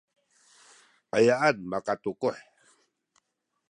ayaan makatukuh?